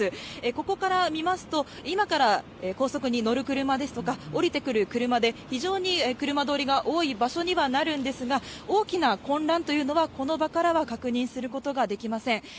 ここから見ますと、今から高速に乗る車ですとか、降りてくる車で、非常に車通りが多い場所にはなるんですが、大きな混乱というのはこの場からは確認することができません。